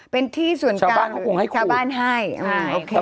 เป็นที่ส่วนกลางชาวบ้านให้ชาวบ้านเขาคงให้คู่